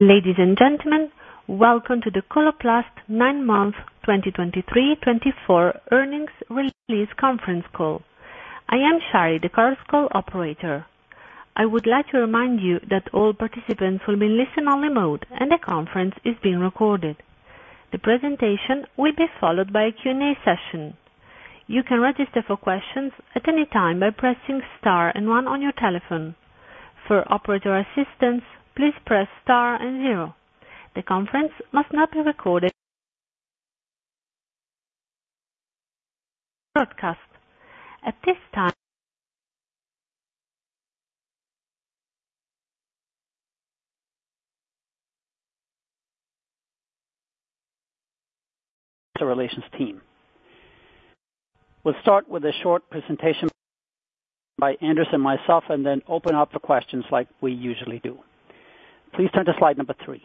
Ladies and gentlemen, welcome to the Coloplast nine-month 2023, 2024 Earnings Release Conference Call. I am Shari, the conference call operator. I would like to remind you that all participants will be in listen-only mode and the conference is being recorded. The presentation will be followed by a Q&A session. You can register for questions at any time by pressing star and one on your telephone. For operator assistance, please press star and zero. The conference must not be recorded or broadcast. At this time investor relations team. We'll start with a short presentation by Anders and myself, and then open up for questions like we usually do. Please turn to slide number three.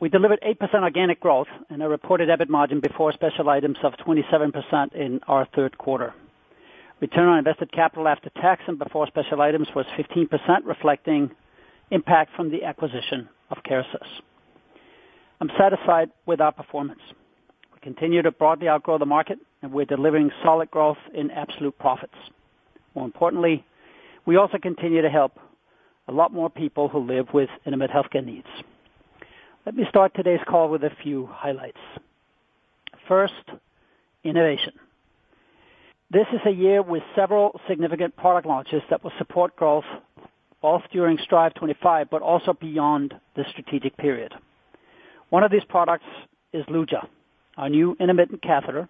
We delivered 8% organic growth and a reported EBIT margin before special items of 27% in our third quarter. Return on invested capital after tax and before special items was 15%, reflecting impact from the acquisition of Kerecis. I'm satisfied with our performance. We continue to broadly outgrow the market and we're delivering solid growth in absolute profits. More importantly, we also continue to help a lot more people who live with intimate healthcare needs. Let me start today's call with a few highlights. First, innovation. This is a year with several significant product launches that will support growth both during Strive25, but also beyond the strategic period. One of these products is Luja, our new intermittent catheter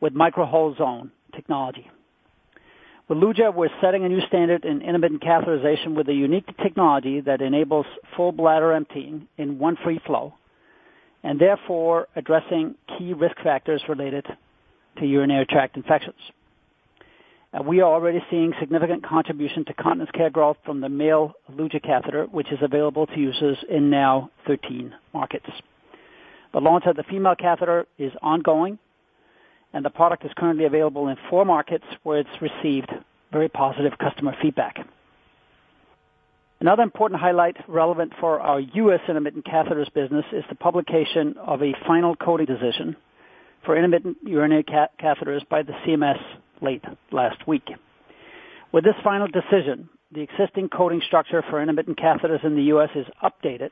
with micro-hole zone technology. With Luja, we're setting a new standard in intermittent catheterization with a unique technology that enables full bladder emptying in one free flow, and therefore addressing key risk factors related to urinary tract infections, and we are already seeing significant contribution to continence care growth from the male Luja catheter, which is available to users in now 13 markets. The launch of the female catheter is ongoing, and the product is currently available in four markets, where it's received very positive customer feedback. Another important highlight relevant for our U.S. intermittent catheters business is the publication of a final coding decision for intermittent urinary catheters by the CMS late last week. With this final decision, the existing coding structure for intermittent catheters in the U.S. is updated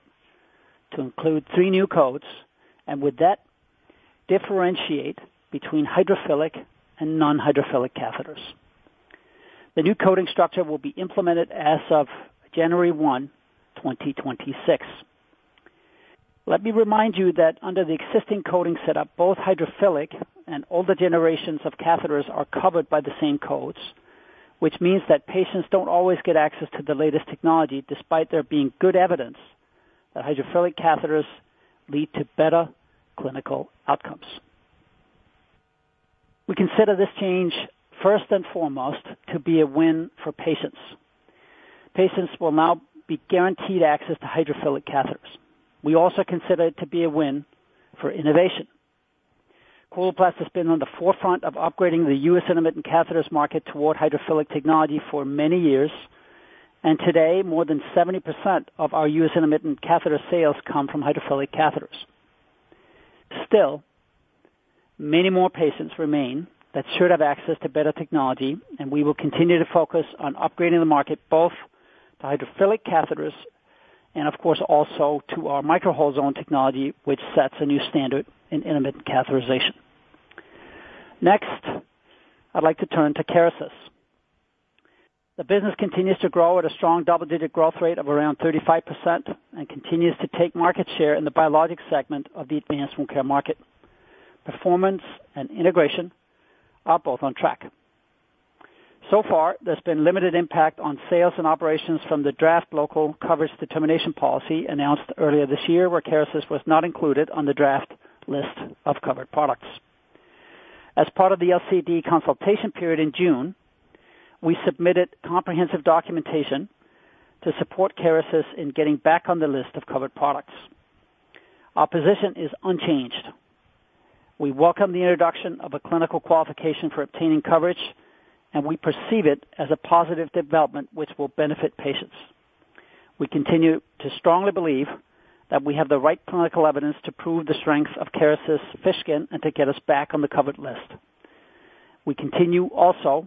to include three new codes, and with that, differentiate between hydrophilic and non-hydrophilic catheters. The new coding structure will be implemented as of January 1, 2026. Let me remind you that under the existing coding setup, both hydrophilic and older generations of catheters are covered by the same codes, which means that patients don't always get access to the latest technology, despite there being good evidence that hydrophilic catheters lead to better clinical outcomes. We consider this change, first and foremost, to be a win for patients. Patients will now be guaranteed access to hydrophilic catheters. We also consider it to be a win for innovation. Coloplast has been on the forefront of upgrading the U.S. intermittent catheters market toward hydrophilic technology for many years, and today, more than 70% of our U.S. intermittent catheter sales come from hydrophilic catheters. Still, many more patients remain that should have access to better technology, and we will continue to focus on upgrading the market, both to hydrophilic catheters and, of course, also to our micro-hole zone technology, which sets a new standard in intermittent catheterization. Next, I'd like to turn to Kerecis. The business continues to grow at a strong double-digit growth rate of around 35% and continues to take market share in the biologic segment of the advanced wound care market. Performance and integration are both on track. So far, there's been limited impact on sales and operations from the draft local coverage determination policy announced earlier this year, where Kerecis was not included on the draft list of covered products. As part of the LCD consultation period in June, we submitted comprehensive documentation to support Kerecis in getting back on the list of covered products. Our position is unchanged. We welcome the introduction of a clinical qualification for obtaining coverage, and we perceive it as a positive development, which will benefit patients. We continue to strongly believe that we have the right clinical evidence to prove the strength of Kerecis fish skin and to get us back on the covered list. We continue also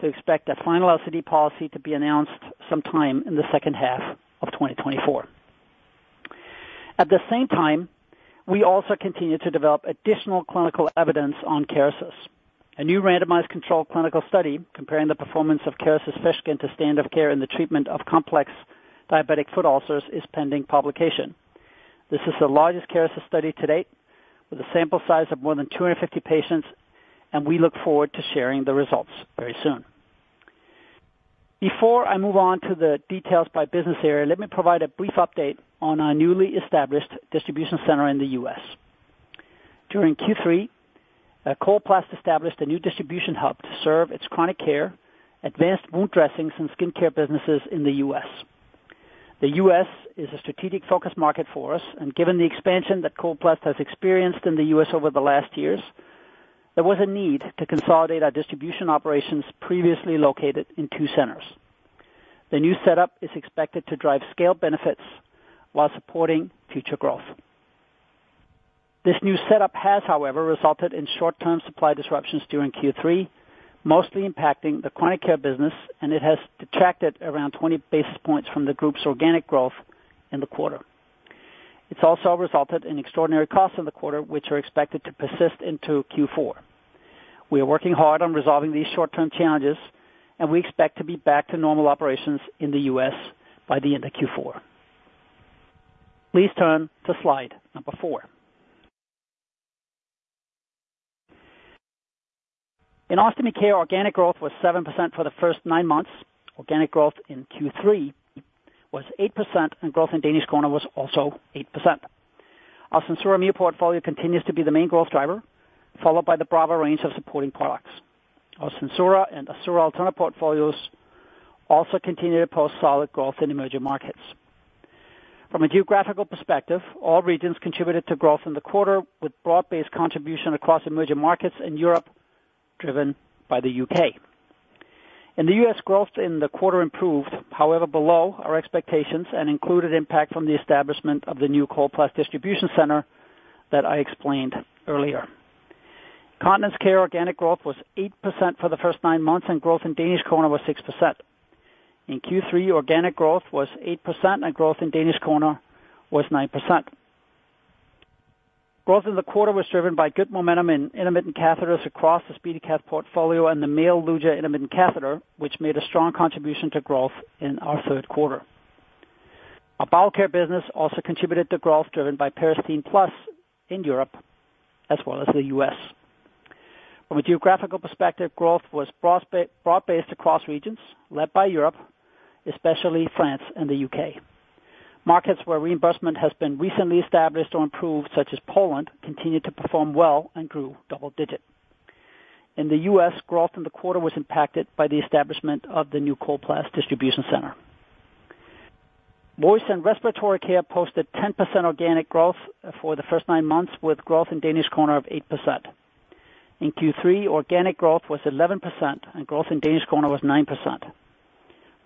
to expect a final LCD policy to be announced sometime in the second half of 2024. At the same time, we also continue to develop additional clinical evidence on Kerecis. A new randomized controlled clinical study comparing the performance of Kerecis fish skin to standard of care in the treatment of complex diabetic foot ulcers is pending publication. This is the largest Kerecis study to date, with a sample size of more than two hundred and fifty patients, and we look forward to sharing the results very soon. Before I move on to the details by business area, let me provide a brief update on our newly established distribution center in the U.S. During Q3, Coloplast established a new distribution hub to serve its chronic care, advanced wound dressings and skincare businesses in the U.S. The U.S. is a strategic focus market for us, and given the expansion that Coloplast has experienced in the U.S. over the last years. There was a need to consolidate our distribution operations previously located in two centers. The new setup is expected to drive scale benefits while supporting future growth. This new setup has, however, resulted in short-term supply disruptions during Q3, mostly impacting the Chronic Care business, and it has detracted around twenty basis points from the group's organic growth in the quarter. It's also resulted in extraordinary costs in the quarter, which are expected to persist into Q4. We are working hard on resolving these short-term challenges, and we expect to be back to normal operations in the U.S. by the end of Q4. Please turn to slide number four. In Ostomy Care, organic growth was 7% for the first nine months. Organic growth in Q3 was 8%, and growth in Danish Kroner was also 8%. Our SenSura Mio portfolio continues to be the main growth driver, followed by the Brava range of supporting products. Our SenSura and Assura Alterna portfolios also continue to post solid growth in emerging markets. From a geographical perspective, all regions contributed to growth in the quarter, with broad-based contribution across emerging markets in Europe, driven by the UK. In the US, growth in the quarter improved, however, below our expectations and included impact from the establishment of the new Coloplast distribution center that I explained earlier. Continence care organic growth was 8% for the first nine months, and growth in Danish Kroner was 6%. In Q3, organic growth was 8%, and growth in Danish Kroner was 9%. Growth in the quarter was driven by good momentum in intermittent catheters across the SpeediCath portfolio and the male Luja intermittent catheter, which made a strong contribution to growth in our third quarter. Our bowel care business also contributed to growth, driven by Peristeen Plus in Europe as well as the US. From a geographical perspective, growth was broad-based across regions led by Europe, especially France and the UK. Markets where reimbursement has been recently established or improved, such as Poland, continued to perform well and grew double-digit. In the US, growth in the quarter was impacted by the establishment of the new Coloplast distribution center. Voice and Respiratory Care posted 10% organic growth for the first nine months, with growth in Danish Kroner of 8%. In Q3, organic growth was 11% and growth in Danish Kroner was 9%.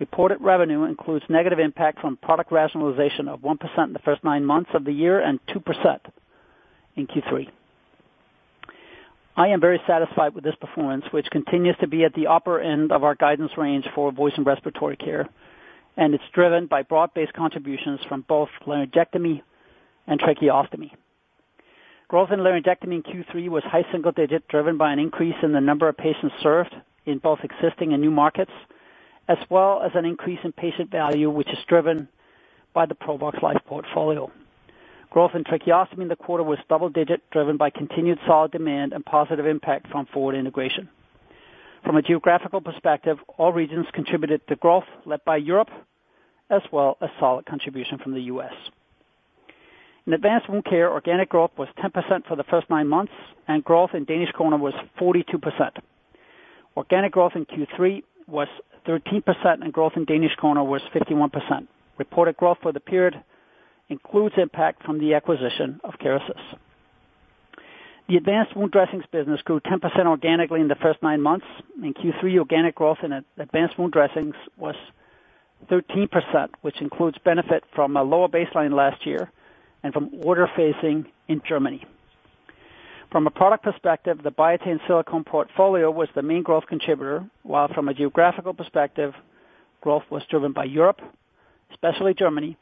Reported revenue includes negative impact from product rationalization of 1% in the first nine months of the year and 2% in Q3. I am very satisfied with this performance, which continues to be at the upper end of our guidance range for voice and respiratory care, and it's driven by broad-based contributions from both laryngectomy and tracheostomy. Growth in laryngectomy in Q3 was high single digit, driven by an increase in the number of patients served in both existing and new markets, as well as an increase in patient value, which is driven by the Provox Life portfolio. Growth in tracheostomy in the quarter was double digit, driven by continued solid demand and positive impact from forward integration. From a geographical perspective, all regions contributed to growth led by Europe, as well as solid contribution from the U.S. In advanced wound care, organic growth was 10% for the first nine months, and growth in Danish Kroner was 42%. Organic growth in Q3 was 13%, and growth in Danish Kroner was 51%. Reported growth for the period includes impact from the acquisition of Kerecis. The advanced wound dressings business grew 10% organically in the first nine months. In Q3, organic growth in advanced wound dressings was 13%, which includes benefit from a lower baseline last year and from order phasing in Germany. From a product perspective, the Biatain Silicone portfolio was the main growth contributor, while from a geographical perspective, growth was driven by Europe, especially Germany,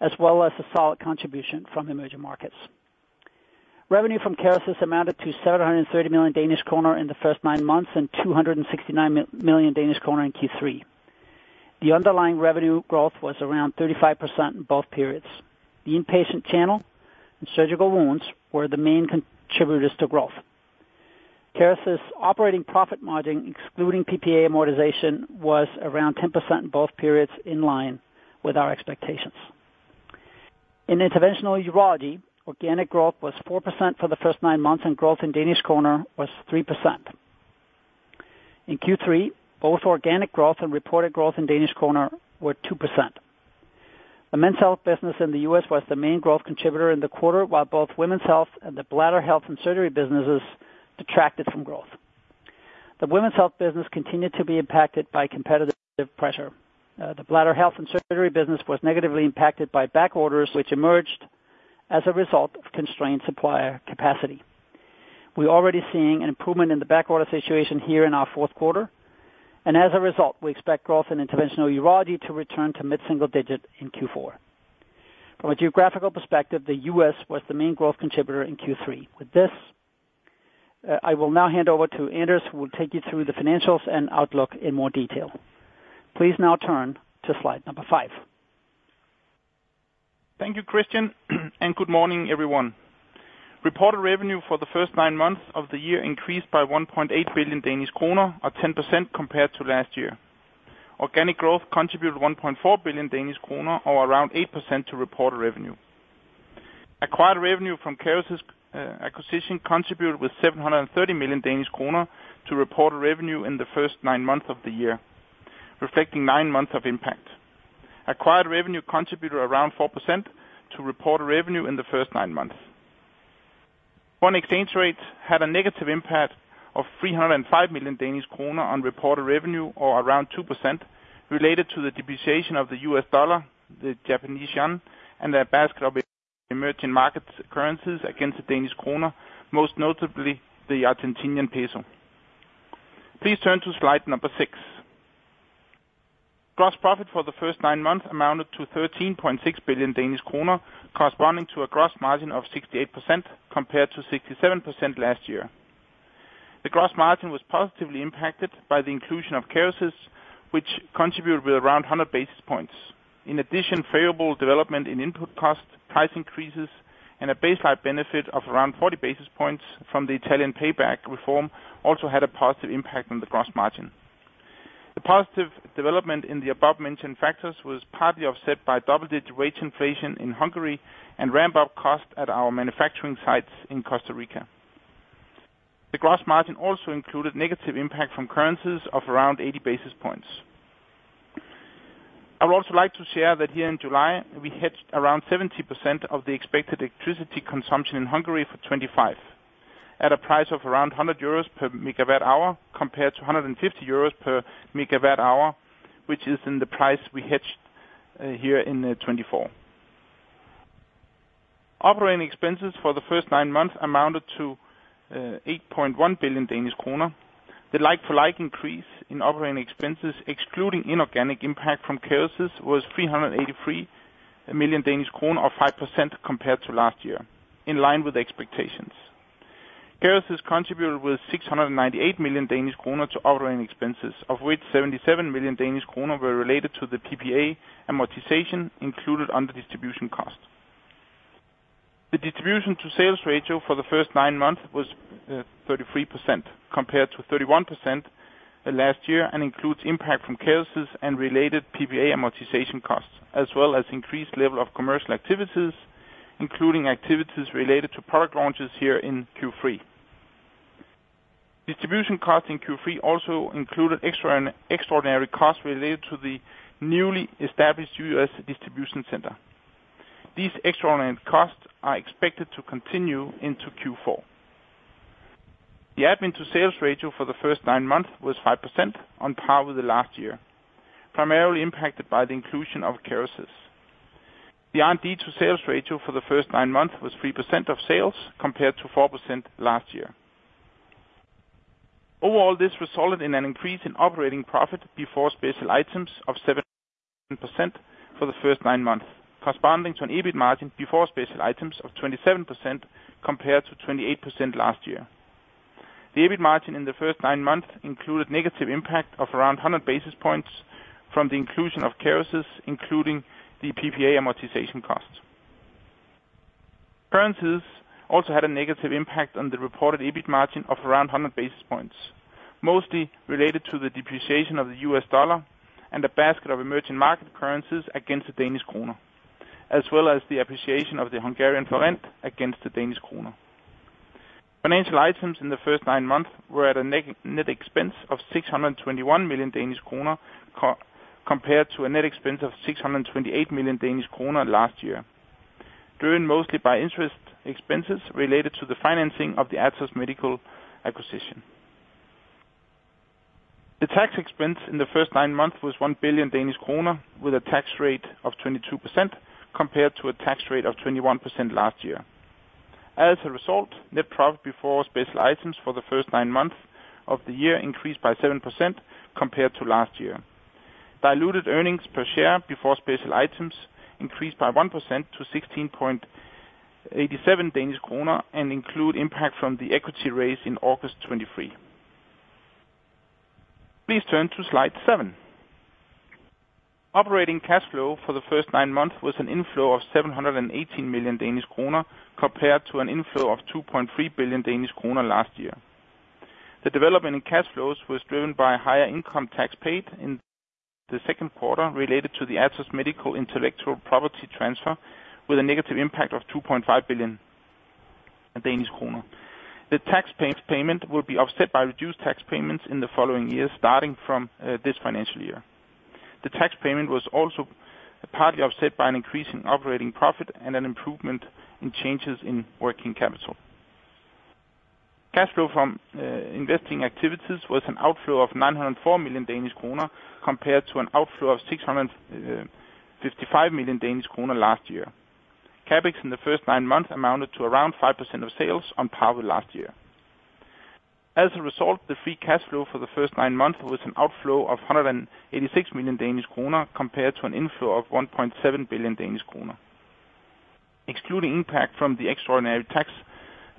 as well as a solid contribution from emerging markets. Revenue from Kerecis amounted to 730 million Danish kroner in the first nine months and 269 million Danish kroner in Q3. The underlying revenue growth was around 35% in both periods. The inpatient channel and surgical wounds were the main contributors to growth. Kerecis' operating profit margin, excluding PPA amortization, was around 10% in both periods, in line with our expectations. In interventional urology, organic growth was 4% for the first nine months, and growth in Danish Kroner was 3%. In Q3, both organic growth and reported growth in Danish Kroner were 2%. The men's health business in the US was the main growth contributor in the quarter, while both women's health and the bladder health and surgery businesses detracted from growth. The women's health business continued to be impacted by competitive pressure. The bladder health and surgery business was negatively impacted by back orders, which emerged as a result of constrained supplier capacity. We're already seeing an improvement in the backorder situation here in our fourth quarter, and as a result, we expect growth in interventional urology to return to mid-single digit in Q4. From a geographical perspective, the U.S. was the main growth contributor in Q3. With this, I will now hand over to Anders, who will take you through the financials and outlook in more detail. Please now turn to slide number five. Thank you, Kristian, and good morning, everyone. Reported revenue for the first nine months of the year increased by 1.8 billion Danish kroner, or 10% compared to last year. Organic growth contributed 1.4 billion Danish kroner, or around 8% to reported revenue. Acquired revenue from Kerecis acquisition contributed with 730 million Danish kroner to reported revenue in the first nine months of the year, reflecting nine months of impact. Acquired revenue contributed around 4% to reported revenue in the first nine months. Foreign exchange rates had a negative impact of 305 million Danish kroner on reported revenue, or around 2%, related to the depreciation of the U.S. dollar, the Japanese yen, and a basket of emerging markets currencies against the Danish Kroner, most notably the Argentinian peso. Please turn to slide number 6. Gross profit for the first nine months amounted to 13.6 billion Danish kroner, corresponding to a gross margin of 68%, compared to 67% last year. The gross margin was positively impacted by the inclusion of Kerecis, which contributed with around 100 basis points. In addition, favorable development in input cost, price increases, and a baseline benefit of around 40 basis points from the Italian payback reform also had a positive impact on the gross margin. The positive development in the above-mentioned factors was partly offset by double-digit wage inflation in Hungary and ramp-up costs at our manufacturing sites in Costa Rica. The gross margin also included negative impact from currencies of around 80 basis points. I would also like to share that here in July, we hedged around 70% of the expected electricity consumption in Hungary for 2025, at a price of around 100 euros per megawatt hour, compared to 150 euros per megawatt hour, which is in the price we hedged here in 2024. Operating expenses for the first nine months amounted to 8.1 billion Danish kroner. The like-for-like increase in operating expenses, excluding inorganic impact from Kerecis, was 383 million Danish kroner, or 5% compared to last year, in line with expectations. Kerecis contributed with 698 million Danish kroner to operating expenses, of which 77 million Danish kroner were related to the PPA amortization included under distribution costs. The distribution to sales ratio for the first nine months was 33%, compared to 31% last year, and includes impact from Kerecis and related PPA amortization costs, as well as increased level of commercial activities, including activities related to product launches here in Q3. Distribution costs in Q3 also included extraordinary costs related to the newly established U.S. distribution center. These extraordinary costs are expected to continue into Q4. The admin to sales ratio for the first nine months was 5%, on par with the last year, primarily impacted by the inclusion of Kerecis. The R&D to sales ratio for the first nine months was 3% of sales, compared to 4% last year. Overall, this resulted in an increase in operating profit before special items of 7% for the first nine months, corresponding to an EBIT margin before special items of 27%, compared to 28% last year. The EBIT margin in the first nine months included negative impact of around 100 basis points from the inclusion of Kerecis, including the PPA amortization cost. Currencies also had a negative impact on the reported EBIT margin of around 100 basis points, mostly related to the depreciation of the US dollar and a basket of emerging market currencies against the Danish Kroner, as well as the appreciation of the Hungarian forint against the Danish Kroner. Financial items in the first nine months were at a net expense of 621 million Danish kroner compared to a net expense of 628 million Danish kroner last year, driven mostly by interest expenses related to the financing of the Atos Medical acquisition. The tax expense in the first nine months was 1 billion Danish kroner, with a tax rate of 22%, compared to a tax rate of 21% last year. As a result, net profit before special items for the first nine months of the year increased by 7% compared to last year. Diluted earnings per share before special items increased by 1% to 16.87 Danish Kroner and include impact from the equity raise in August 2023. Please turn to slide seven. Operating cash flow for the first nine months was an inflow of 718 million Danish kroner, compared to an inflow of 2.3 billion Danish kroner last year. The development in cash flows was driven by higher income tax paid in the second quarter related to the Atos Medical intellectual property transfer, with a negative impact of 2.5 billion Danish kroner. The tax payment will be offset by reduced tax payments in the following years, starting from this financial year. The tax payment was also partly offset by an increase in operating profit and an improvement in changes in working capital. Cash flow from investing activities was an outflow of 904 million Danish kroner, compared to an outflow of 655 million Danish kroner last year. CapEx in the first nine months amounted to around 5% of sales, on par with last year. As a result, the free cash flow for the first nine months was an outflow of 186 million Danish kroner, compared to an inflow of 1.7 billion Danish kroner. Excluding impact from the extraordinary tax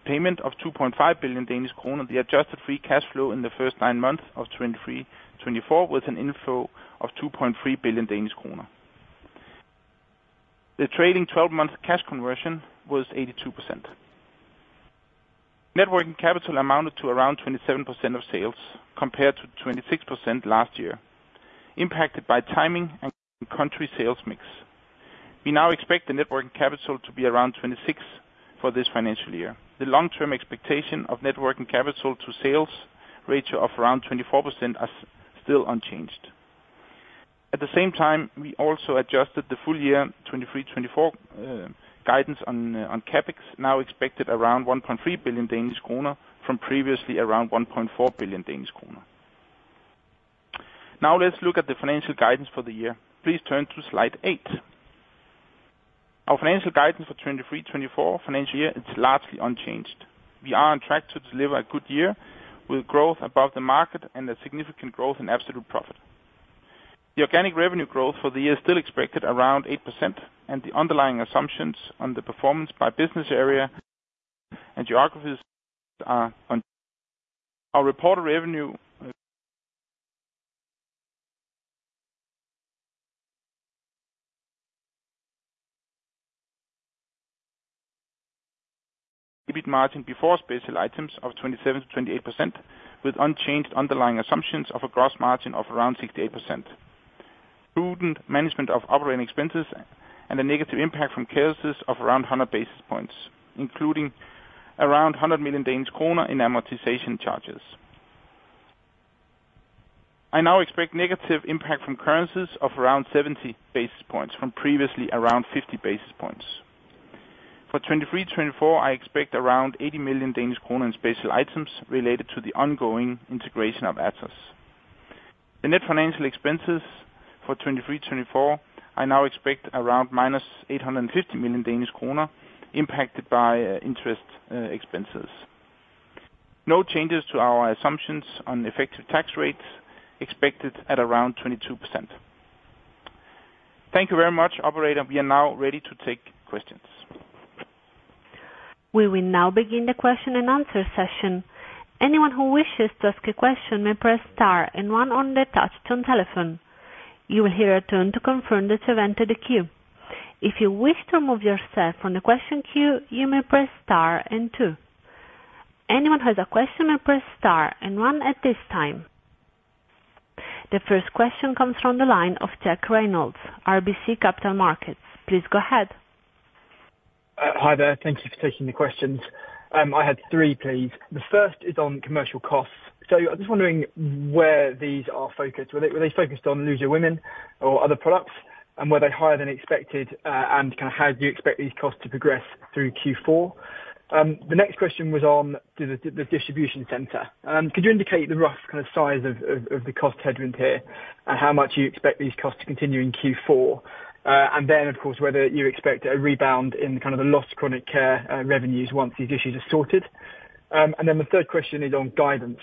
payment of 2.5 billion Danish kroner, the adjusted free cash flow in the first nine months of 2023-2024 was an inflow of DKK 2.3 billion. The trailing 12-month cash conversion was 82%. Net working capital amounted to around 27% of sales, compared to 26% last year, impacted by timing and country sales mix. We now expect the net working capital to be around 26% for this financial year. The long-term expectation of net working capital to sales ratio of around 24% are still unchanged. At the same time, we also adjusted the Full Year 2023-2024 guidance on CapEx, now expected around 1.3 billion Danish kroner from previously around 1.4 billion Danish kroner. Now let's look at the financial guidance for the year. Please turn to slide eight. Our financial guidance for 2023-2024 financial year is largely unchanged. We are on track to deliver a good year with growth above the market and a significant growth in absolute profit. The organic revenue growth for the year is still expected around 8%, and the underlying assumptions on the performance by business area and geographies are on. Our reported revenue EBIT margin before special items of 27%-28%, with unchanged underlying assumptions of a gross margin of around 68%. Prudent management of operating expenses and a negative impact from currencies of around 100 basis points, including around 100 million Danish kroner in amortization charges. I now expect negative impact from currencies of around 70 basis points, from previously around 50 basis points. For 2023, 2024, I expect around 80 million Danish kroner in special items related to the ongoing integration of Atos. The net financial expenses for 2023, 2024, I now expect around -850 million Danish kroner, impacted by interest expenses. No changes to our assumptions on effective tax rates expected at around 22%. Thank you very much, operator. We are now ready to take questions. We will now begin the question and answer session. Anyone who wishes to ask a question may press star and one on the touchtone telephone. You will hear a tone to confirm that you've entered the queue. If you wish to remove yourself from the question queue, you may press star and two. Anyone who has a question may press star and one at this time. The first question comes from the line of Jack Reynolds, RBC Capital Markets. Please go ahead. Hi there. Thank you for taking the questions. I had three, please. The first is on commercial costs. So I'm just wondering where these are focused. Were they focused on Luja Women or other products? And were they higher than expected, and kind of how do you expect these costs to progress through Q4? The next question was on the distribution center. Could you indicate the rough kind of size of the cost headroom here, and how much you expect these costs to continue in Q4? And then, of course, whether you expect a rebound in kind of the lost chronic care revenues once these issues are sorted. And then the third question is on guidance.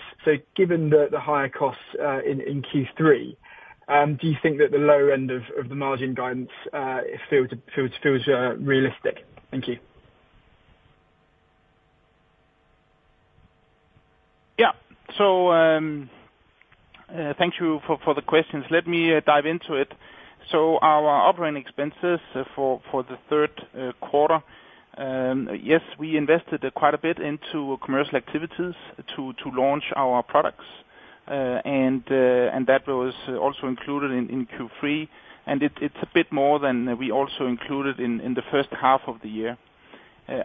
Given the higher costs in Q3, do you think that the lower end of the margin guidance feels realistic? Thank you. Yeah. So, thank you for the questions. Let me dive into it. So our operating expenses for the third quarter, yes, we invested quite a bit into commercial activities to launch our products, and that was also included in Q3, and it's a bit more than we also included in the first half of the year.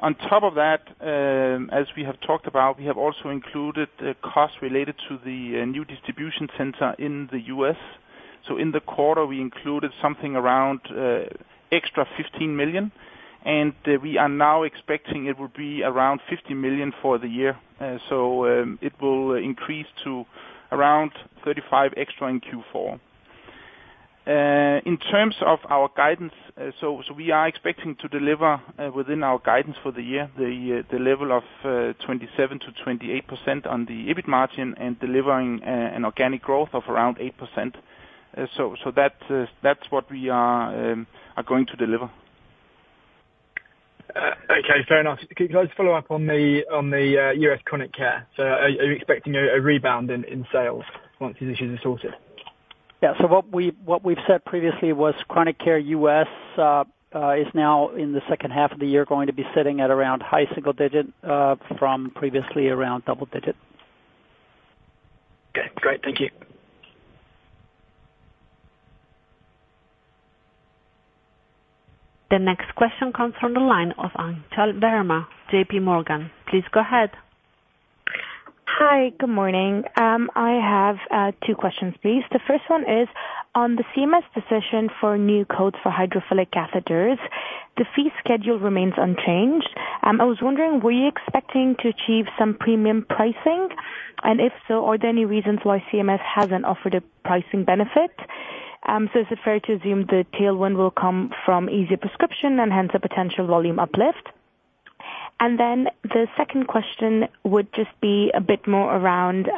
On top of that, as we have talked about, we have also included the costs related to the new distribution center in the U.S. So in the quarter, we included something around extra 15 million, and we are now expecting it will be around 50 million for the year. So it will increase to around 35 million extra in Q4. In terms of our guidance, so we are expecting to deliver within our guidance for the year the level of 27-28% on the EBIT margin and delivering an organic growth of around 8%, so that's what we are going to deliver. Okay, fair enough. Could I just follow up on the US chronic care? So are you expecting a rebound in sales once these issues are sorted? Yeah. So what we, what we've said previously was chronic care U.S. is now in the second half of the year, going to be sitting at around high single digit from previously around double digit. Okay, great. Thank you. The next question comes from the line of Anchal Verma, JP Morgan. Please go ahead. Hi, good morning. I have two questions, please. The first one is on the CMS decision for new codes for hydrophilic catheters. The fee schedule remains unchanged. I was wondering, were you expecting to achieve some premium pricing? And if so, are there any reasons why CMS hasn't offered a pricing benefit? So is it fair to assume the tailwind will come from easier prescription and hence a potential volume uplift? And then the second question would just be a bit more around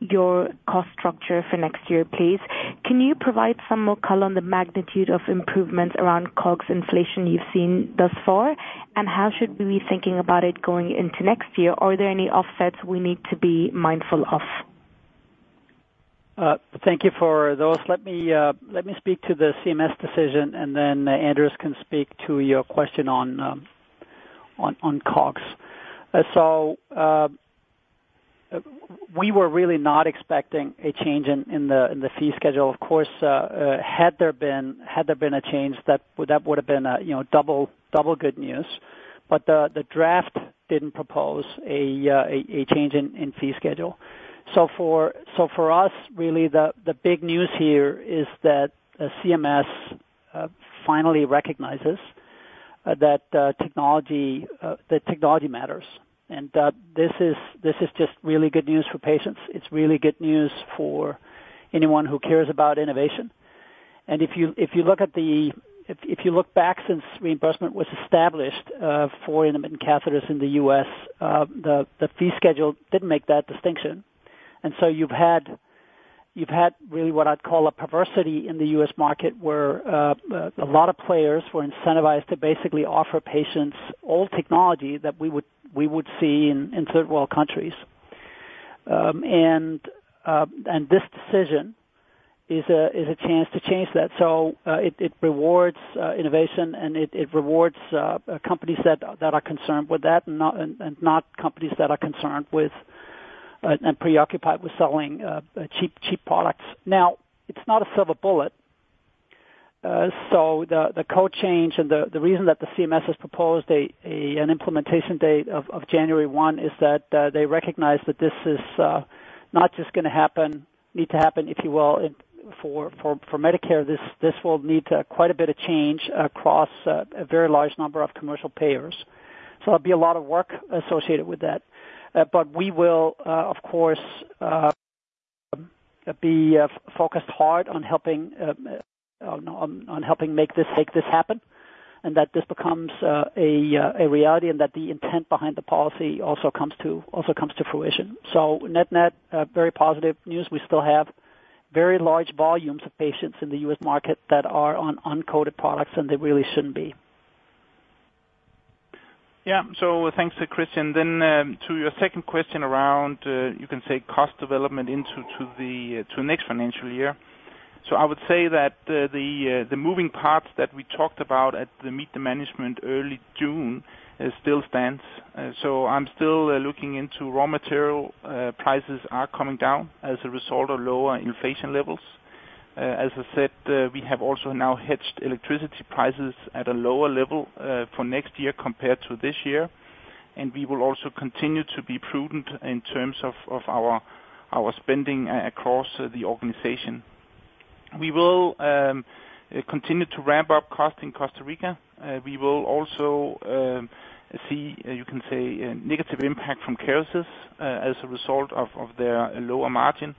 your cost structure for next year, please. Can you provide some more color on the magnitude of improvements around COGS inflation you've seen thus far? And how should we be thinking about it going into next year? Are there any offsets we need to be mindful of? Thank you for those. Let me speak to the CMS decision, and then Anders can speak to your question on COGS. So we were really not expecting a change in the fee schedule. Of course, had there been a, you know, double good news. But the draft didn't propose a change in fee schedule. So for us, really, the big news here is that CMS finally recognizes that technology matters, and that this is just really good news for patients. It's really good news for anyone who cares about innovation. And if you look back since reimbursement was established for intermittent catheters in the U.S., the fee schedule didn't make that distinction. And so you've had really what I'd call a perversity in the U.S. market, where a lot of players were incentivized to basically offer patients old technology that we would see in third world countries. And this decision is a chance to change that. So it rewards innovation, and it rewards companies that are concerned with that and not companies that are preoccupied with selling cheap products. Now, it's not a silver bullet. So the code change and the reason that the CMS has proposed an implementation date of January 1 is that they recognize that this is not just gonna happen, need to happen, if you will, for Medicare. This will need quite a bit of change across a very large number of commercial payers. So there'll be a lot of work associated with that. But we will of course be focused hard on helping on helping make this make this happen, and that this becomes a reality, and that the intent behind the policy also comes to fruition. So net-net very positive news. We still have very large volumes of patients in the U.S. market that are on uncoded products, and they really shouldn't be. Yeah. So thanks, Kristian. Then, to your second question around, you can say cost development into the to next financial year. So I would say that, the moving parts that we talked about at the meet the management early June, still stands. So I'm still looking into raw material prices are coming down as a result of lower inflation levels. As I said, we have also now hedged electricity prices at a lower level for next year compared to this year, and we will also continue to be prudent in terms of our spending across the organization. We will continue to ramp up cost in Costa Rica. We will also see, you can say, a negative impact from Kerecis, as a result of their lower margin.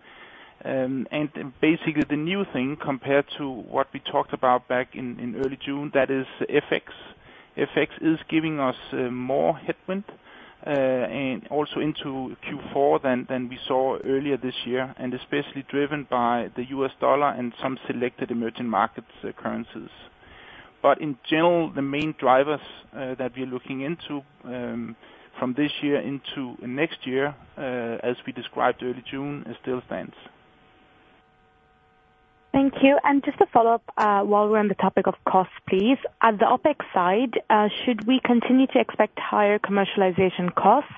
Basically, the new thing compared to what we talked about back in early June, that is FX. FX is giving us more headwind and also into Q4 than we saw earlier this year, and especially driven by the U.S. dollar and some selected emerging markets currencies. But in general, the main drivers that we're looking into from this year into next year as we described early June, still stands. Thank you. And just to follow up, while we're on the topic of cost, please. At the OpEx side, should we continue to expect higher commercialization costs?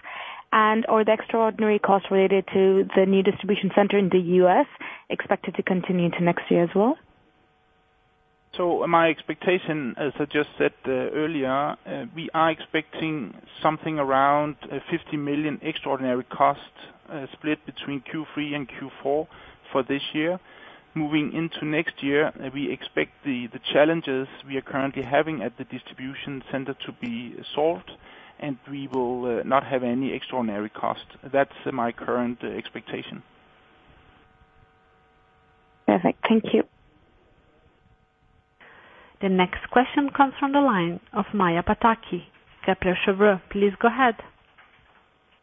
And are the extraordinary costs related to the new distribution center in the U.S. expected to continue into next year as well? My expectation, as I just said earlier, we are expecting something around 50 million extraordinary costs, split between Q3 and Q4 for this year. Moving into next year, we expect the challenges we are currently having at the distribution center to be solved, and we will not have any extraordinary costs. That's my current expectation. Perfect. Thank you. The next question comes from the line of Maja Pataki, Kepler Cheuvreux. Please go ahead.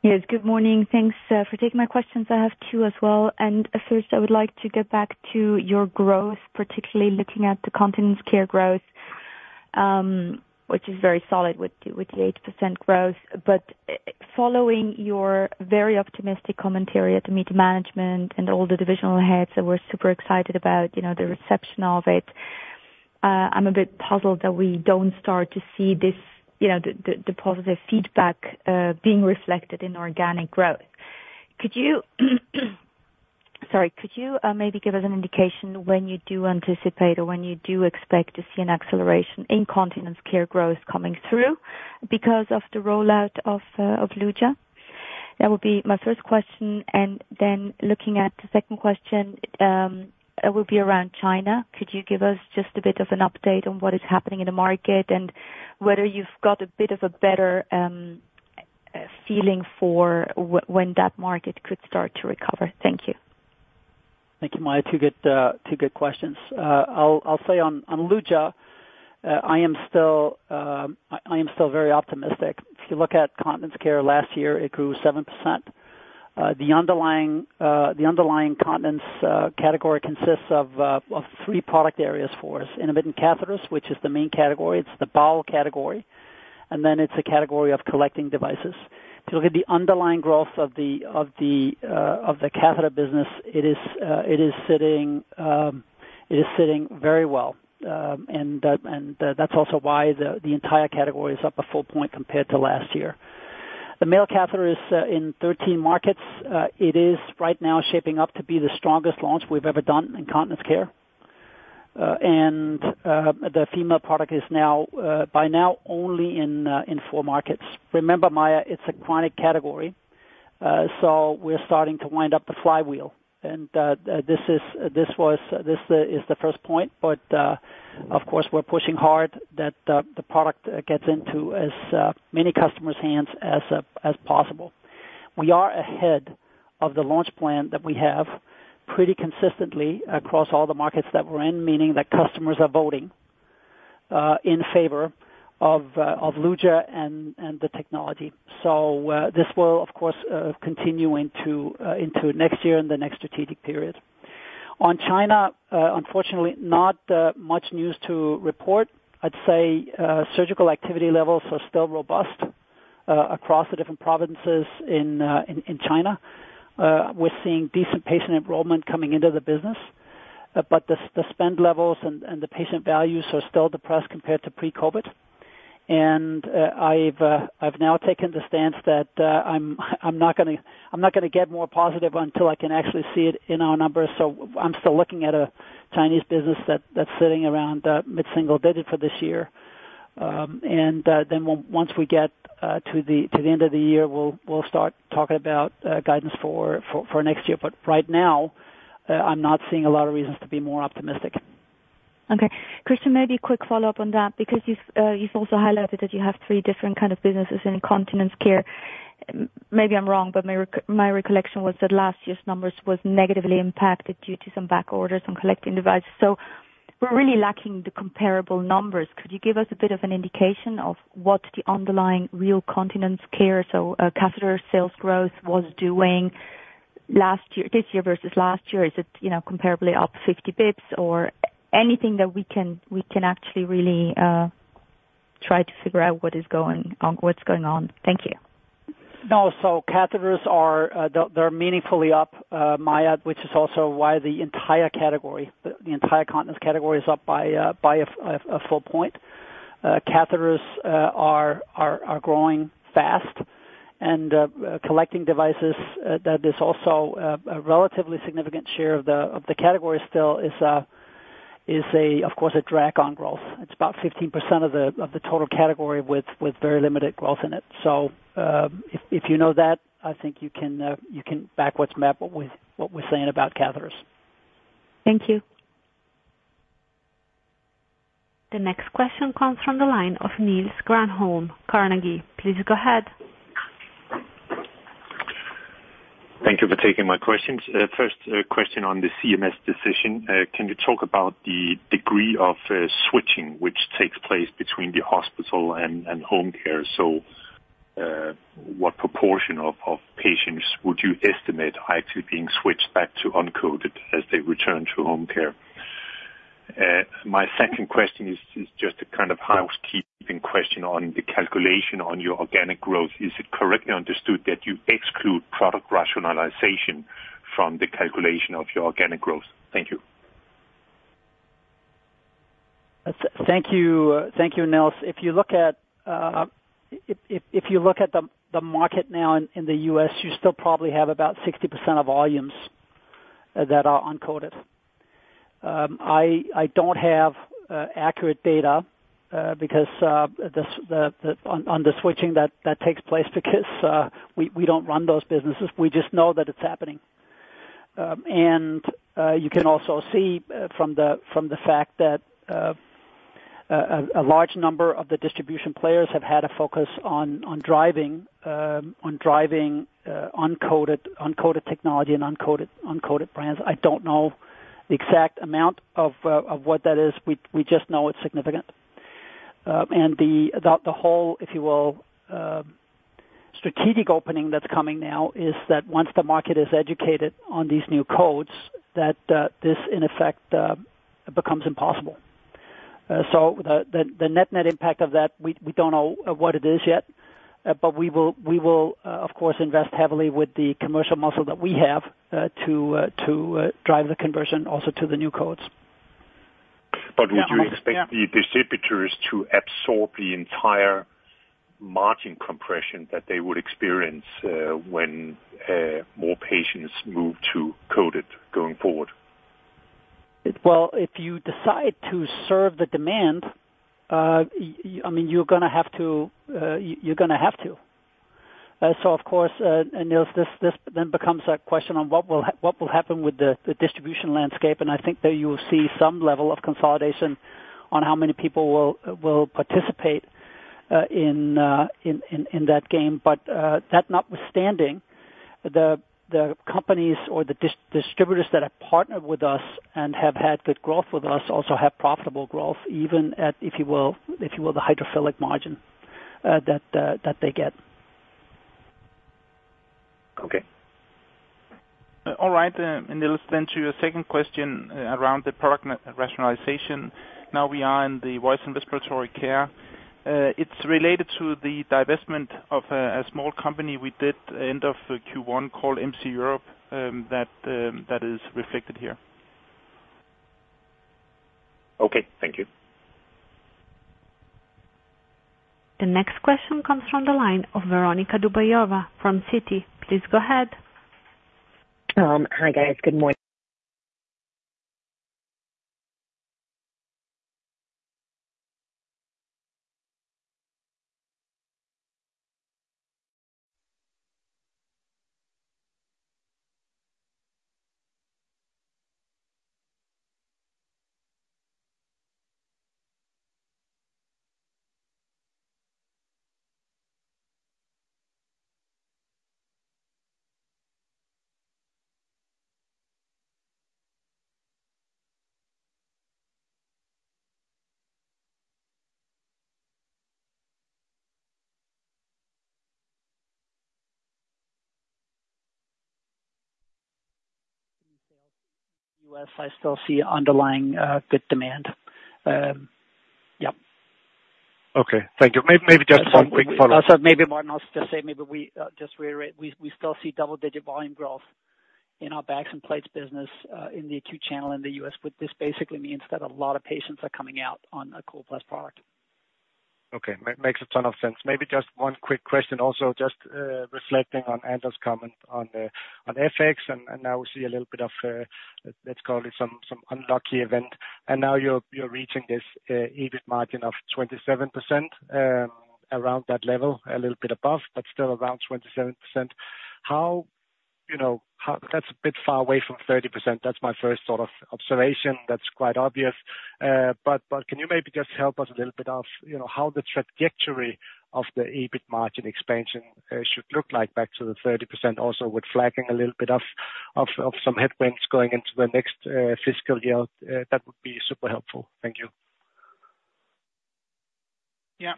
Yes, good morning. Thanks for taking my questions. I have two as well. First, I would like to get back to your growth, particularly looking at the continence care growth, which is very solid with the 8% growth. But following your very optimistic commentary at the management meeting and all the divisional heads that were super excited about, you know, the reception of it, I'm a bit puzzled that we don't start to see this, you know, the positive feedback being reflected in organic growth. Could you, sorry, could you maybe give us an indication when you do anticipate or when you do expect to see an acceleration in continence care growth coming through because of the rollout of Luja? That would be my first question, and then looking at the second question, it will be around China. Could you give us just a bit of an update on what is happening in the market and whether you've got a bit of a better feeling for when that market could start to recover? Thank you. Thank you, Maja. Two good questions. I'll say on Luja, I am still very optimistic. If you look at continence care last year, it grew 7%. The underlying continence category consists of three product areas for us: intermittent catheters, which is the main category, it's the bowel category, and then it's a category of collecting devices. If you look at the underlying growth of the catheter business, it is sitting very well. And that's also why the entire category is up a full point compared to last year. The male catheter is in 13 markets. It is right now shaping up to be the strongest launch we've ever done in continence care. And the female product is now by now only in four markets. Remember, Maja, it's a chronic category, so we're starting to wind up the flywheel, and this is the first point, but of course, we're pushing hard that the product gets into as many customers' hands as possible. We are ahead of the launch plan that we have pretty consistently across all the markets that we're in, meaning that customers are voting in favor of Luja and the technology. So, this will of course continue into next year and the next strategic period. On China, unfortunately, not much news to report. I'd say, surgical activity levels are still robust across the different provinces in China. We're seeing decent patient enrollment coming into the business, but the spend levels and the patient values are still depressed compared to pre-COVID. I've now taken the stance that I'm not gonna get more positive until I can actually see it in our numbers. So I'm still looking at a Chinese business that's sitting around mid-single digit for this year. And then once we get to the end of the year, we'll start talking about guidance for next year. But right now, I'm not seeing a lot of reasons to be more optimistic. Okay. Kristian, maybe a quick follow-up on that, because you've also highlighted that you have three different kind of businesses in continence care. Maybe I'm wrong, but my recollection was that last year's numbers was negatively impacted due to some back orders and collecting devices. So we're really lacking the comparable numbers. Could you give us a bit of an indication of what the underlying real continence care, catheter sales growth was doing last year, this year versus last year? Is it, you know, comparably up fifty basis points or anything that we can actually really try to figure out what's going on? Thank you. No, so catheters are, they're meaningfully up, Maya, which is also why the entire category, the entire continence category is up by a full point. Catheters are growing fast, and collecting devices, that is also a relatively significant share of the category still is, of course, a drag on growth. It's about 15% of the total category with very limited growth in it. So, if you know that, I think you can backwards map what we're saying about catheters. Thank you. The next question comes from the line of Niels Granholm-Leth, Carnegie. Please go ahead. Thank you for taking my questions. First question on the CMS decision. Can you talk about the degree of switching which takes place between the hospital and home care? So, what proportion of patients would you estimate are actually being switched back to uncoated as they return to home care? My second question is just a kind of housekeeping question on the calculation on your organic growth. Is it correctly understood that you exclude product rationalization from the calculation of your organic growth? Thank you. Thank you. Thank you, Niels. If you look at the market now in the U.S., you still probably have about 60% of volumes that are uncoded. I don't have accurate data because the ongoing switching that takes place, because we don't run those businesses. We just know that it's happening, and you can also see from the fact that a large number of the distribution players have had a focus on driving uncoded technology and uncoded brands. I don't know the exact amount of what that is. We just know it's significant. And the whole, if you will, strategic opening that's coming now is that once the market is educated on these new codes, that this, in effect, becomes impossible. So the net/net impact of that, we don't know what it is yet, but we will of course invest heavily with the commercial muscle that we have to drive the conversion also to the new codes. But would you expect the distributors to absorb the entire margin compression that they would experience, when more patients move to coated going forward? If you decide to serve the demand, I mean, you're gonna have to. Of course, and Niels, this then becomes a question on what will happen with the distribution landscape, and I think that you will see some level of consolidation on how many people will participate in that game. But that notwithstanding, the companies or the distributors that have partnered with us and have had good growth with us also have profitable growth, even at, if you will, the hydrophilic margin that they get. Okay. All right, and Niels, then to your second question around the product rationalization. Now, we are in the voice and respiratory care. It's related to the divestment of a small company we did end of Q1 called MC Europe, that is reflected here. Okay, thank you. The next question comes from the line of Veronika Dubajova from Citi. Please go ahead. Hi, guys. Good morning. -U.S., I still see underlying good demand. Yep. Okay, thank you. Maybe just one quick follow-up. Also, maybe Martin, I'll just say maybe we just reiterate, we still see double-digit volume growth in our bags and plates business in the acute channel in the US. What this basically means that a lot of patients are coming out on a Coloplast product. Okay, makes a ton of sense. Maybe just one quick question, also, just reflecting on Anders' comment on FX, and now we see a little bit of, let's call it some unlucky event. And now you're reaching this EBIT margin of 27%, around that level, a little bit above, but still around 27%. How, you know, that's a bit far away from 30%. That's my first sort of observation. That's quite obvious. But can you maybe just help us a little bit, you know, how the trajectory of the EBIT margin expansion should look like back to the 30%, also with flagging a little bit of some headwinds going into the next fiscal year? That would be super helpful. Thank you. Yeah.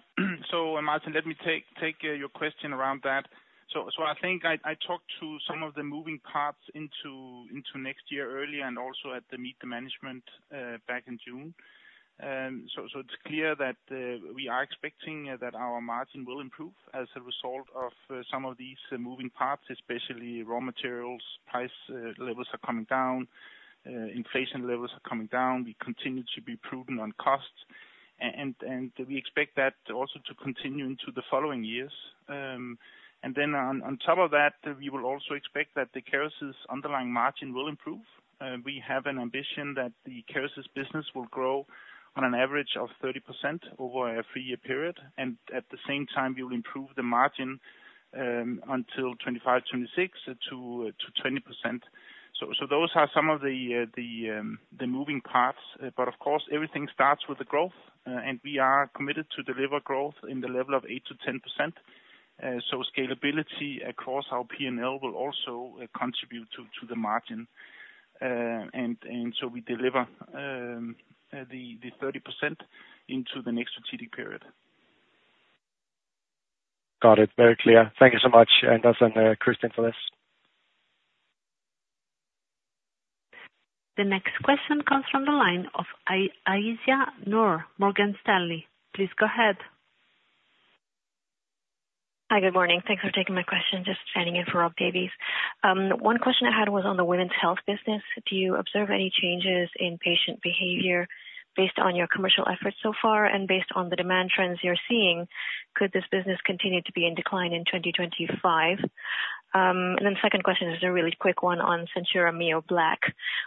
So Martin, let me take your question around that. So I think I talked to some of the moving parts into next year early and also at the Meet the Management back in June. So it's clear that we are expecting that our margin will improve as a result of some of these moving parts, especially raw materials price levels are coming down, inflation levels are coming down. We continue to be prudent on costs, and we expect that also to continue into the following years. And then on top of that, we will also expect that the Kerecis' underlying margin will improve. We have an ambition that the Kerecis business will grow on an average of 30% over a three-year period, and at the same time, we will improve the margin until 2025, 2026, to 20%. So those are some of the moving parts. But of course, everything starts with the growth, and we are committed to deliver growth in the level of 8%-10%. So scalability across our PNL will also contribute to the margin. And so we deliver the 30% into the next strategic period. Got it. Very clear. Thank you so much, Anders and Kristian, for this. The next question comes from the line of Aisyah Noor, Morgan Stanley. Please go ahead. Hi, good morning. Thanks for taking my question. Just chatting in for Rob Davies. One question I had was on the women's health business. Do you observe any changes in patient behavior based on your commercial efforts so far? And based on the demand trends you're seeing, could this business continue to be in decline in twenty twenty-five? And then the second question is a really quick one on SenSura Mio Black.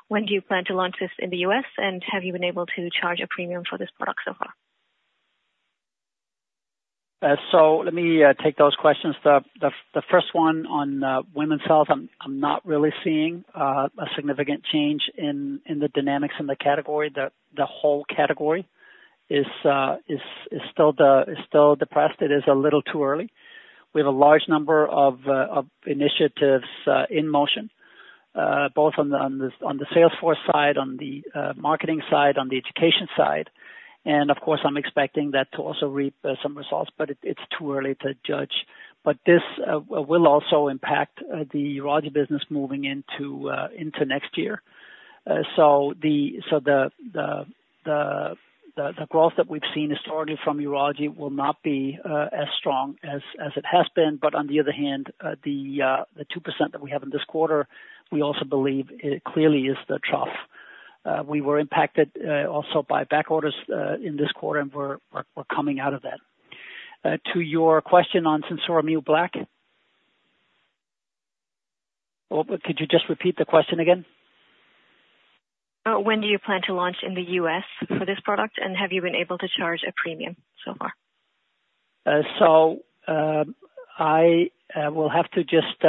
When do you plan to launch this in the US, and have you been able to charge a premium for this product so far? So let me take those questions. The first one on women's health, I'm not really seeing a significant change in the dynamics in the category. The whole category is still depressed. It is a little too early. We have a large number of initiatives in motion, both on the sales force side, on the marketing side, on the education side. And of course, I'm expecting that to also reap some results, but it's too early to judge. But this will also impact the urology business moving into next year. So the growth that we've seen historically from urology will not be as strong as it has been. But on the other hand, the 2% that we have in this quarter, we also believe it clearly is the trough. We were impacted also by back orders in this quarter, and we're coming out of that. To your question on Sensura Mio Black. Well, could you just repeat the question again? When do you plan to launch in the U.S. for this product, and have you been able to charge a premium so far? So, I will have to just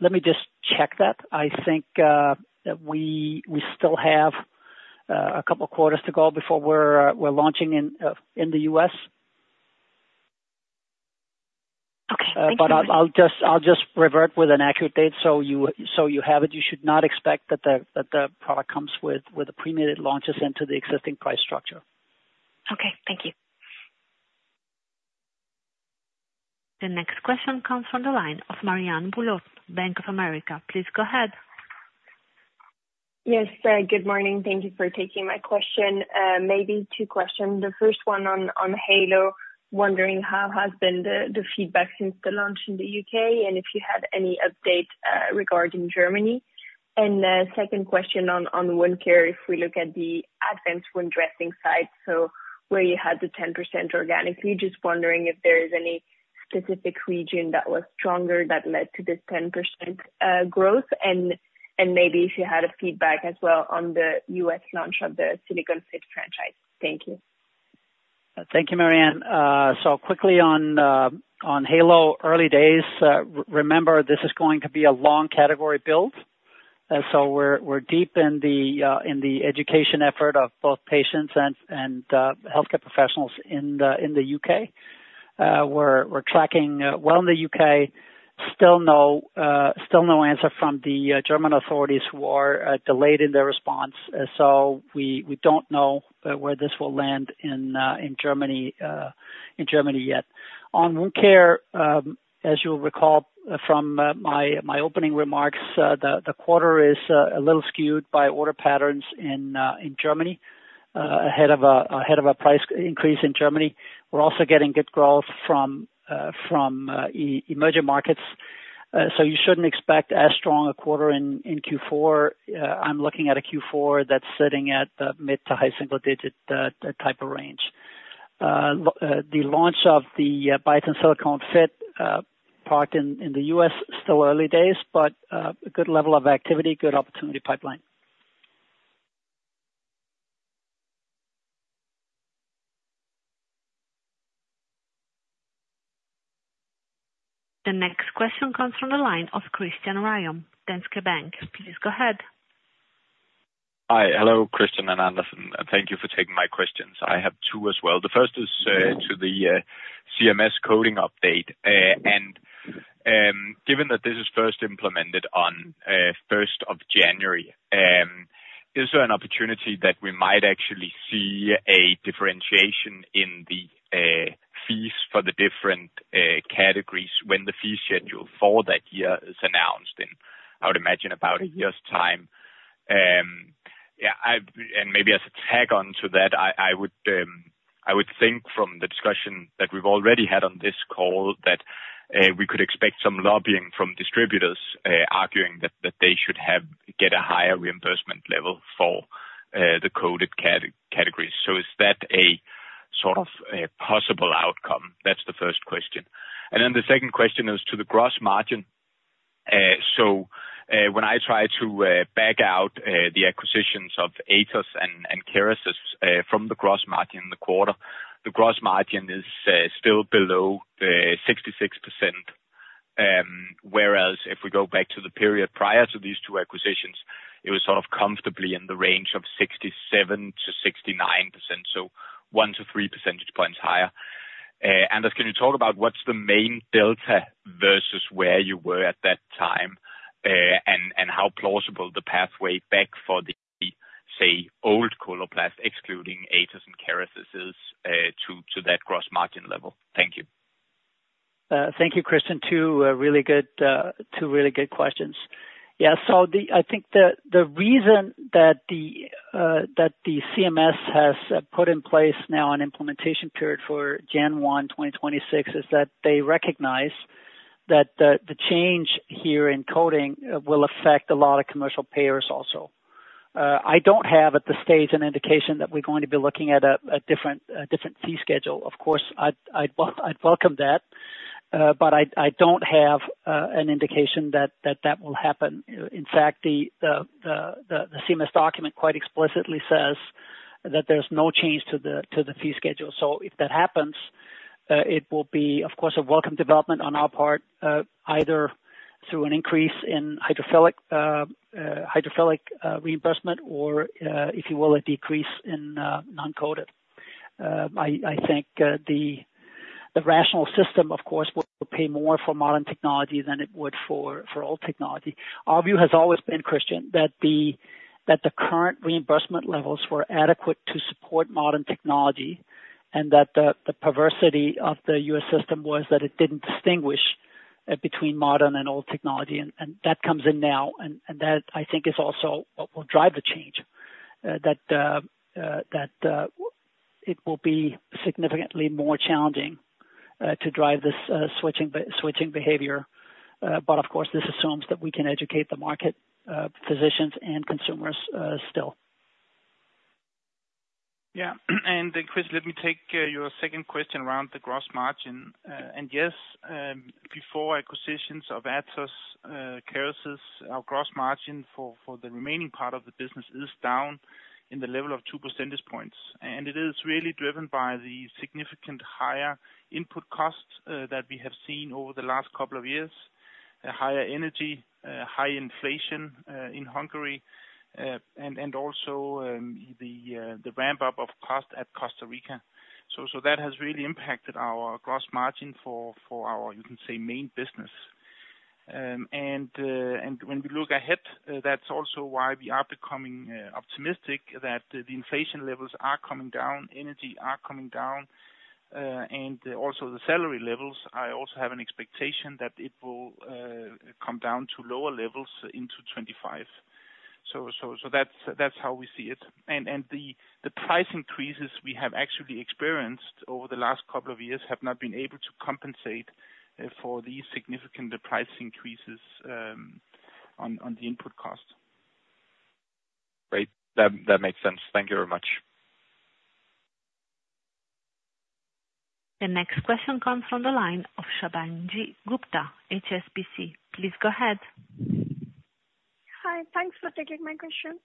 let me just check that. I think that we still have a couple quarters to go before we're launching in the U.S. Okay. Thank you. But I'll just revert with an accurate date so you have it. You should not expect that the product comes with a premium. It launches into the existing price structure. Okay, thank you. The next question comes from the line of Marianne Bulot, Bank of America. Please go ahead. Yes, good morning. Thank you for taking my question. Maybe two questions. The first one on Heylo, wondering how has been the feedback since the launch in the UK, and if you have any update regarding Germany? Second question on wound care, if we look at the advanced wound dressing side, so where you had the 10% organically, just wondering if there is any specific region that was stronger that led to this 10% growth, and maybe if you had a feedback as well on the US launch of the Biatain Silicone Fit franchise. Thank you. Thank you, Marianne. So quickly on Heylo, early days, remember, this is going to be a long category build. So we're deep in the education effort of both patients and healthcare professionals in the UK. We're tracking well in the UK. Still no answer from the German authorities who are delayed in their response, so we don't know where this will land in Germany yet. On wound care, as you'll recall from my opening remarks, the quarter is a little skewed by order patterns in Germany ahead of a price increase in Germany. We're also getting good growth from emerging markets. So you shouldn't expect as strong a quarter in Q4. I'm looking at a Q4 that's sitting at the mid to high single digit type of range. The launch of the Biatain Silicone Fit product in the US, still early days, but a good level of activity, good opportunity pipeline. The next question comes from the line of Christian Ryom, Danske Bank. Please go ahead. Hi. Hello, Kristian and Anders, and thank you for taking my questions. I have two as well. The first is to the CMS coding update, and given that this is first implemented on first of January, is there an opportunity that we might actually see a differentiation in the fees for the different categories when the fee schedule for that year is announced, in I would imagine about a year's time, and maybe as a tag-on to that, I would think from the discussion that we've already had on this call, that we could expect some lobbying from distributors arguing that they should get a higher reimbursement level for the coded categories. So is that a sort of a possible outcome? That's the first question. The second question is to the gross margin. So, when I try to back out the acquisitions of Atos and Kerecis from the gross margin in the quarter, the gross margin is still below the 66%. Whereas if we go back to the period prior to these two acquisitions, it was sort of comfortably in the range of 67%-69%, so 1-3 percentage points higher. Anders, can you talk about what's the main delta versus where you were at that time, and how plausible the pathway back for the, say, old Coloplast, excluding Atos and Kerecis, to that gross margin level? Thank you. Thank you, Christian. Two really good questions. Yeah, so I think the reason that the CMS has put in place now an implementation period for January 1, 2026, is that they recognize that the change here in coding will affect a lot of commercial payers also. I don't have, at this stage, an indication that we're going to be looking at a different fee schedule. Of course, I'd welcome that, but I don't have an indication that that will happen. In fact, the CMS document quite explicitly says that there's no change to the fee schedule. If that happens, it will be, of course, a welcome development on our part, either through an increase in hydrophilic reimbursement or, if you will, a decrease in non-coated. I think the rational system, of course, would pay more for modern technology than it would for old technology. Our view has always been, Christian, that the current reimbursement levels were adequate to support modern technology, and that the perversity of the U.S. system was that it didn't distinguish between modern and old technology, and that comes in now. That, I think, is also what will drive the change. That it will be significantly more challenging to drive this switching behavior, but of course, this assumes that we can educate the market, physicians and consumers still. Yeah, and then Christian, let me take your second question around the gross margin. And yes, before acquisitions of Atos, Kerecis, our gross margin for the remaining part of the business is down in the level of two percentage points. And it is really driven by the significant higher input costs that we have seen over the last couple of years, a higher energy, high inflation in Hungary, and also the ramp up of cost at Costa Rica. So that has really impacted our gross margin for our, you can say, main business. And when we look ahead, that's also why we are becoming optimistic that the inflation levels are coming down, energy are coming down and also the salary levels. I also have an expectation that it will come down to lower levels into 2025. So that's how we see it. And the price increases we have actually experienced over the last couple of years have not been able to compensate for these significant price increases on the input cost. Great. That makes sense. Thank you very much. The next question comes from the line of Shubhangi Gupta, HSBC. Please go ahead. Hi, thanks for taking my question.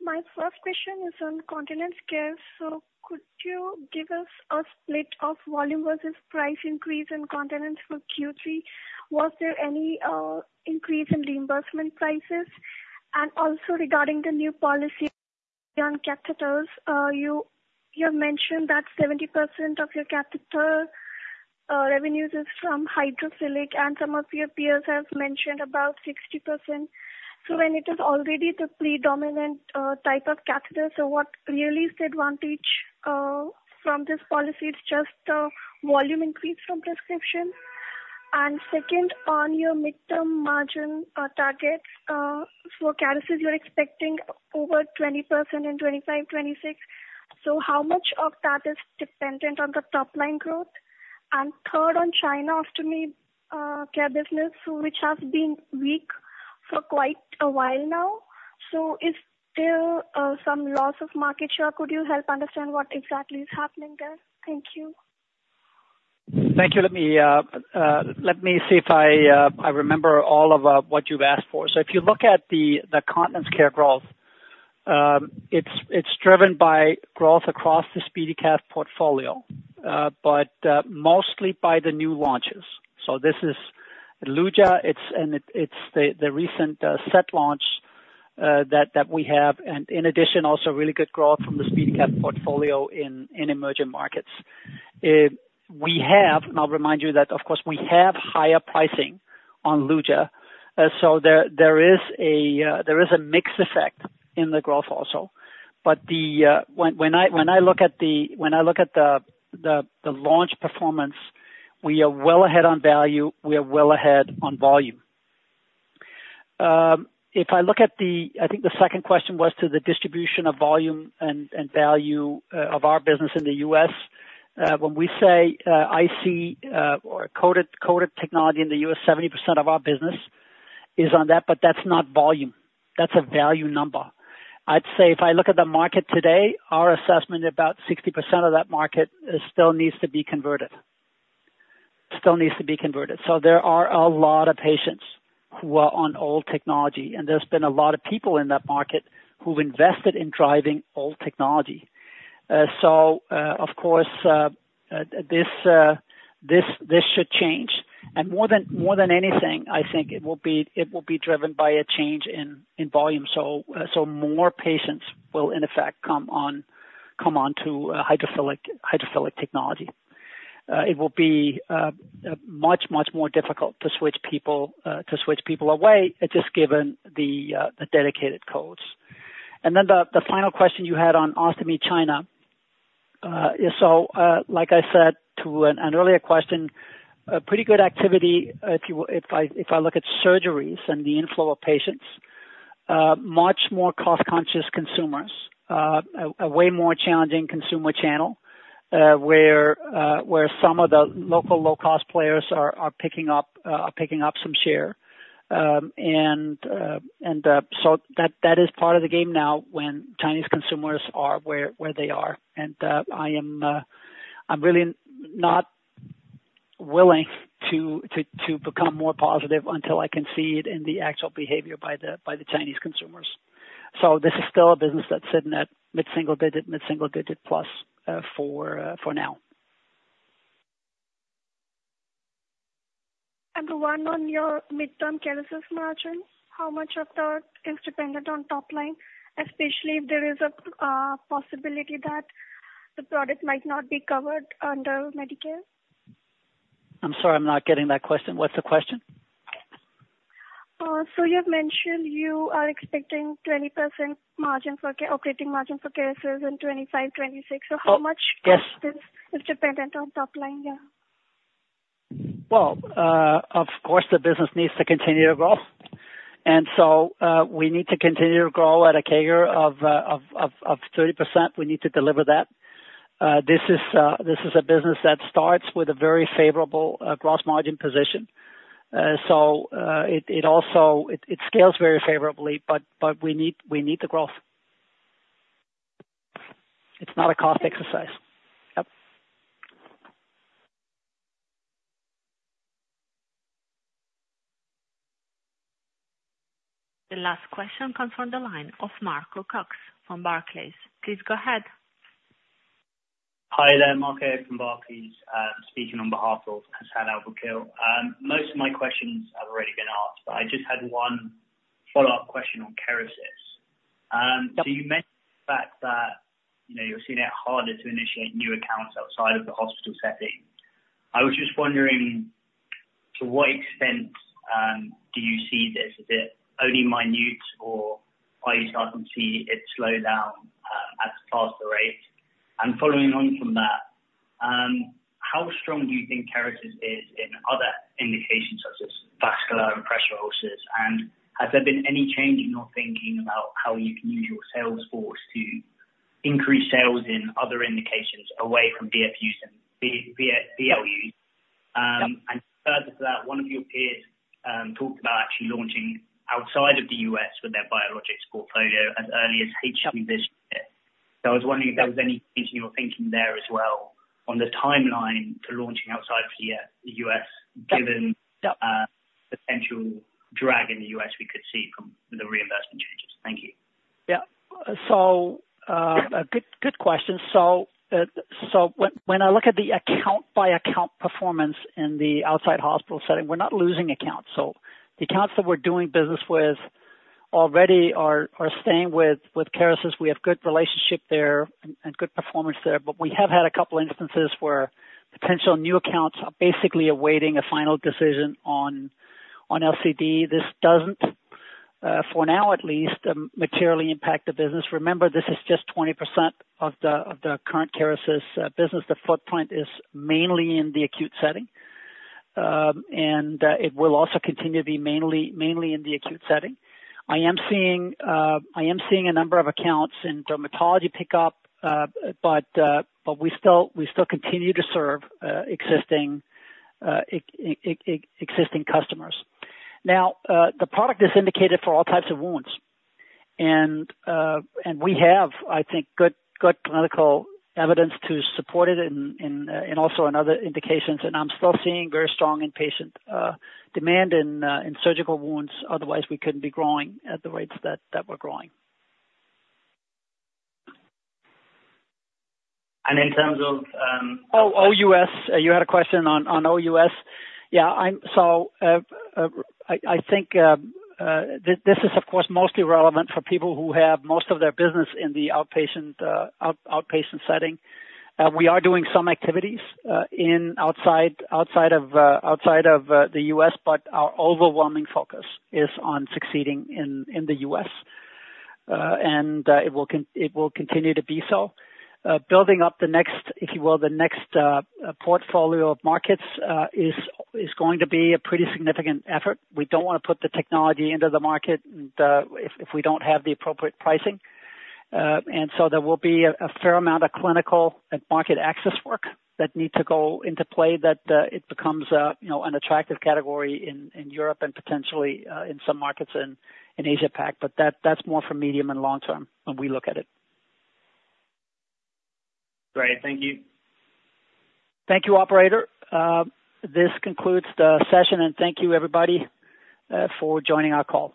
My first question is on continence care. So could you give us a split of volume versus price increase in continence for Q3? Was there any increase in reimbursement prices? And also regarding the new policy on catheters, you mentioned that 70% of your catheter revenues is from hydrophilic, and some of your peers have mentioned about 60%. So when it is already the predominant type of catheter, so what really is the advantage from this policy? It's just volume increase from prescription? And second, on your mid-term margin targets, so Kerecis, you're expecting over 20% in 2025, 2026. So how much of that is dependent on the top line growth? And third, on China, ostomy care business, so which has been weak for quite a while now. So is there some loss of market share? Could you help understand what exactly is happening there? Thank you. Thank you. Let me see if I remember all of what you've asked for. If you look at the continence care growth, it's driven by growth across the SpeediCath portfolio, but mostly by the new launches. So this is Luja, and it's the recent US launch that we have. And in addition, also really good growth from the SpeediCath portfolio in emerging markets. And I'll remind you that, of course, we have higher pricing on Luja. So there is a mix effect in the growth also. But when I look at the launch performance, we are well ahead on value, we are well ahead on volume. If I look at the, I think the second question was to the distribution of volume and value of our business in the U.S. When we say IC or coated technology in the U.S., 70% of our business is on that, but that's not volume, that's a value number. I'd say if I look at the market today, our assessment, about 60% of that market still needs to be converted. Still needs to be converted. So there are a lot of patients who are on old technology, and there's been a lot of people in that market who've invested in driving old technology. Of course, this should change. And more than anything, I think it will be driven by a change in volume. More patients will, in effect, come on to hydrophilic technology. It will be much more difficult to switch people away, just given the dedicated codes. The final question you had on ostomy China. Like I said to an earlier question, a pretty good activity if I look at surgeries and the inflow of patients, much more cost-conscious consumers. A way more challenging consumer channel, where some of the local low-cost players are picking up some share. That is part of the game now when Chinese consumers are where they are. I'm really not willing to become more positive until I can see it in the actual behavior by the Chinese consumers. So this is still a business that's sitting at mid-single digit, mid-single digit plus, for now. The one on your midterm Kerecis margin, how much of that is dependent on top line, especially if there is a possibility that the product might not be covered under Medicare? I'm sorry, I'm not getting that question. What's the question? So you've mentioned you are expecting 20% operating margin for Kerecis in 2025, 2026. So how much- Yes. is dependent on top line? Yeah. Well, of course, the business needs to continue to grow. And so, we need to continue to grow at a CAGR of 30%. We need to deliver that. This is a business that starts with a very favorable gross margin position. So, it also scales very favorably, but we need the growth. It's not a cost exercise. Yep. The last question comes from the line of Marco Cox from Barclays. Please go ahead. Hi there, Marco from Barclays. Speaking on behalf of Hassan Al-Wakeel. Most of my questions have already been asked, but I just had one follow-up question on Kerecis. So you mentioned the fact that, you know, you're seeing it harder to initiate new accounts outside of the hospital setting. I was just wondering. To what extent, do you see this? Is it only minor or are you starti ng to see it slow down, at a faster rate? And following on from that, how strong do you think Kerecis is in other indications, such as vascular and pressure ulcers? And has there been any change in your thinking about how you can use your sales force to increase sales in other indications away from DFUs and VLUs? And further to that, one of your peers talked about actually launching outside of the U.S. with their biologics portfolio as early as H2 this year. So I was wondering if there was any change in your thinking there as well, on the timeline to launching outside of the U.S., given- Yeah. Potential drag in the U.S. we could see from the reimbursement changes. Thank you. Yeah. So, good question. So, when I look at the account-by-account performance in the outside hospital setting, we're not losing accounts. So the accounts that we're doing business with already are staying with Kerecis. We have good relationship there and good performance there, but we have had a couple instances where potential new accounts are basically awaiting a final decision on LCD. This doesn't, for now at least, materially impact the business. Remember, this is just 20% of the current Kerecis business. The footprint is mainly in the acute setting. And it will also continue to be mainly in the acute setting. I am seeing a number of accounts in dermatology pick up, but we still continue to serve existing customers. Now, the product is indicated for all types of wounds, and we have, I think, good clinical evidence to support it in, and also in other indications. I'm still seeing very strong inpatient demand in surgical wounds, otherwise we couldn't be growing at the rates that we're growing. And in terms of, Oh, OUS, you had a question on OUS? Yeah, so I think this is of course mostly relevant for people who have most of their business in the outpatient setting. We are doing some activities outside of the U.S., but our overwhelming focus is on succeeding in the U.S., and it will continue to be so. Building up the next, if you will, portfolio of markets is going to be a pretty significant effort. We don't wanna put the technology into the market if we don't have the appropriate pricing. And so there will be a fair amount of clinical and market access work that needs to go into play, that it becomes, you know, an attractive category in Europe and potentially in some markets in Asia-Pac, but that's more for medium and long term when we look at it. Great, thank you. Thank you, operator. This concludes the session, and thank you, everybody, for joining our call.